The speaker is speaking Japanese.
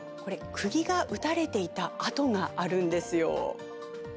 釘が打たれていた跡があるんですよ。